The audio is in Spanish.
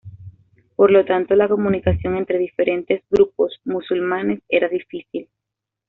Por lo tanto, la comunicación entre diferentes grupos musulmanes era difícil.